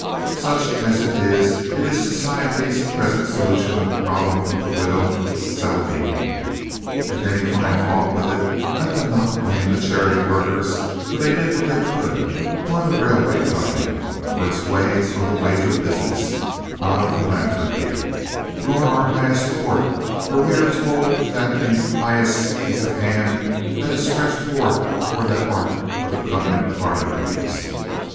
Such as it is, it is society's present solution of the problem of the widow Salvini. If any find fault with it, let them not blame the charity workers, for they did what they could; nor the railway company, for its ways are the ways of business, not of philanthropy; nor our highest court, for we are told that impious is the hand that is stretched forth toward that ark of the covenant of our liberties.